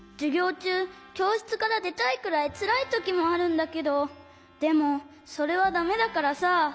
ちゅうきょうしつからでたいくらいつらいときもあるんだけどでもそれはだめだからさ。